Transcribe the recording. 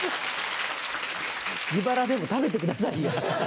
自腹でも食べてくださいよ。